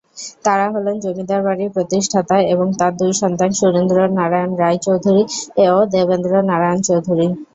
তারা হলেন জমিদার বাড়ির প্রতিষ্ঠাতা এবং তার দুই সন্তান সুরেন্দ্র নারায়ণ রায় চৌধুরী ও দেবেন্দ্র নারায়ণ চৌধুরী।